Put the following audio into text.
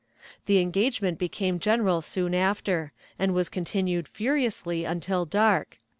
The engagement became general soon after, and was continued furiously until dark.